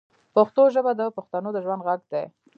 پښتو ژبه د بښتنو د ژوند ږغ دی